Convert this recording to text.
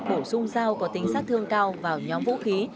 bổ sung dao có tính sát thương cao vào nhóm vũ khí